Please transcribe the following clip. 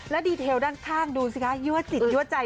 ดีเทลด้านข้างดูสิคะยั่วจิตยั่วใจ